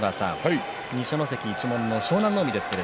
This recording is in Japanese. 二所ノ関一門の湘南乃海です。